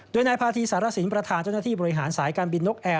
โดยนายพาธีสารสินประธานเจ้าหน้าที่บริหารสายการบินนกแอร์